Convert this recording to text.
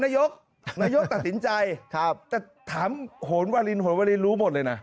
นยกเมยกตัดสินใจครับจะถามโหรนวารินหลี่รู้